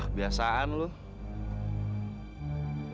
eh gue gak mau nangis ya